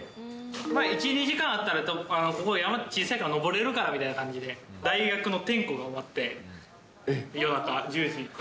１、２時間あったら、そこ、山、小さいから登れるからみたいな感じで、大学の点呼が終わって、夜中１０時。